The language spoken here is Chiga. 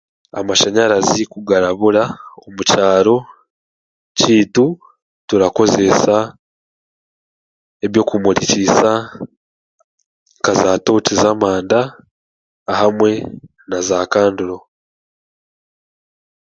Amashanyarazi kugarabura omu kyaaro kyaitu turakoreesa eby'okumuriisa nka zaatooki z'amanda hamwe naza kanduro.